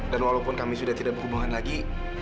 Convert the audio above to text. dan walaupun kami sudah tidak berhubungan lagi